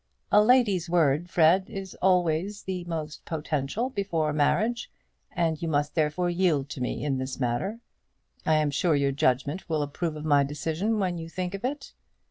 "A lady's word, Fred, is always the most potential before marriage; and you must therefore yield to me in this matter. I am sure your judgment will approve of my decision when you think of it.